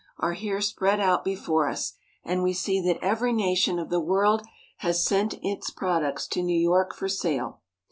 are here spread out before us, and we see that every nation of the world has sent its products to New York for sale.